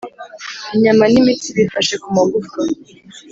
inyama n imitsi bifashe ku magufwa